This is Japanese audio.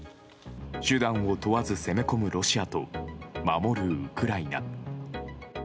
手段を問わず攻め込むロシアと守るウクライナ。